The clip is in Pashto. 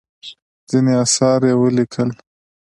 ځینې اثار یې ولیکل.